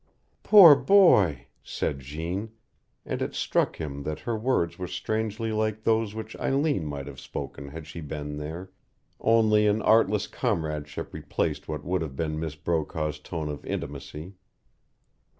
"Poor boy," said Jeanne; and it struck him that her words were strangely like those which Eileen might have spoken had she been there, only an artless comradeship replaced what would have been Miss Brokaw's tone of intimacy.